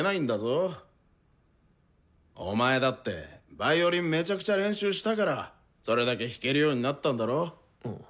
お前だってヴァイオリンめちゃくちゃ練習したからそれだけ弾けるようになったんだろ？